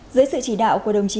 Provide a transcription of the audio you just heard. dưới sự chỉ đạo của đồng chí